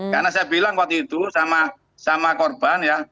karena saya bilang waktu itu sama korban ya